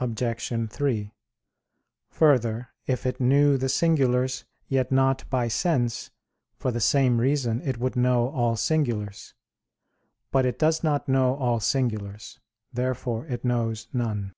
Obj. 3: Further, if it knew the singulars, yet not by sense, for the same reason it would know all singulars. But it does not know all singulars. Therefore it knows none.